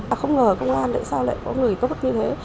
ta không ngờ công an lại sao lại có người tốt như thế